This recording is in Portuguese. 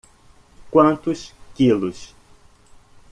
Quantos quilos?